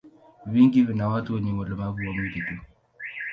Vingi vina watu wenye ulemavu wa mwili tu.